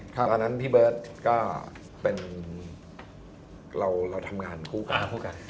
แล้วนั้นพี่เบิร์ตก็เราทำงานคู่กัน